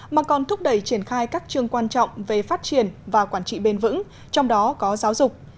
mà còn thúc đẩy triển khai các chương quan trọng về phát triển và quản trị bền vững trong đó có giáo dục